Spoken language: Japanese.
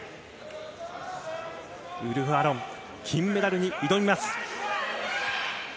ウルフ・アロン金メダルに挑みます。